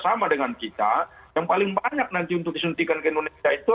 sama dengan kita yang paling banyak nanti untuk disuntikan ke indonesia itu